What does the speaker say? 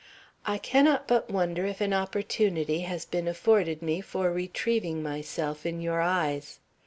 "I cannot but wonder if an opportunity has been afforded me for retrieving myself in your eyes.